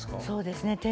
そうですね。